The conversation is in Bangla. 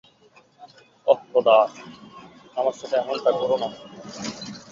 অহ খোদা, আমার সাথে এমনটা করো না!